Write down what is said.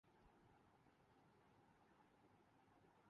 یہ test case ہے۔